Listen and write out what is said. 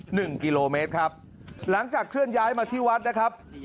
หนึ่งกิโลเมตรครับหลังจากเคลื่อนย้ายมาที่วัดนะครับ